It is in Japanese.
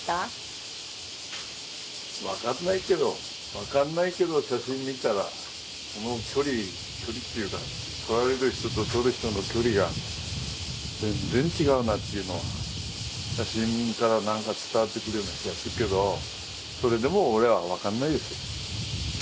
分かんないけど写真を見たら、この距離というか、撮られる人と撮る人の距離が全然違うなっていうのが写真から伝わってくる気がするけどそれでも俺は分かんないです。